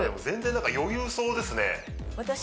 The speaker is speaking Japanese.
全然何か余裕そうですね私？